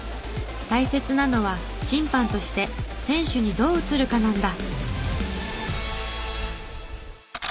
大切なのは審判として選手にどう映るかなんだ。